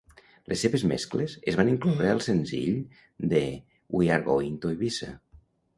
Les seves mescles es van incloure al senzill de "We're Going to Ibiza".